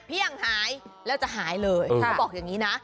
เที่ยงหายแล้วจะหายเลยเขาบอกอย่างนี้นะ